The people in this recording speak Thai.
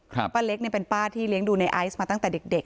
ป้าเล็กเนี่ยเป็นป้าที่เลี้ยงดูในไอซ์มาตั้งแต่เด็กเด็ก